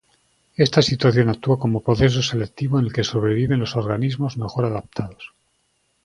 Esta situación actúa como proceso selectivo en el que sobreviven los organismos mejor adaptados.